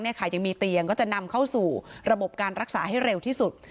ยังมีเตียงก็จะนำเข้าสู่ระบบการรักษาให้เร็วที่สุด